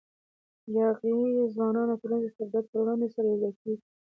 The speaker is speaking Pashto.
یاغي ځوانان د ټولنیز استبداد پر وړاندې سره یو ځای کېږي.